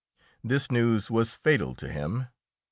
This news was fatal to him.